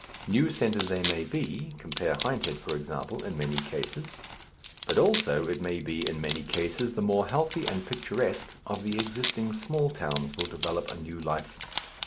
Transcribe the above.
New centres they may be compare Hindhead, for example in many cases; but also, it may be, in many cases the more healthy and picturesque of the existing small towns will develop a new life.